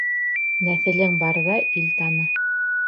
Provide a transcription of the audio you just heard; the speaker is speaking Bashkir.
Нәҫелең барҙа ил таны.